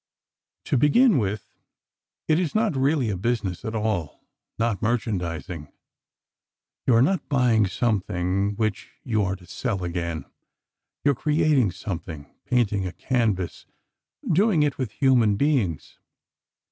To begin with, it is not really a business at all—not merchandising. You are not buying something which you are to sell again. You are creating something—painting a canvas, doing it with human beings.